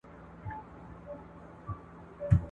سمدستي ورته خپل ځان را رسومه !.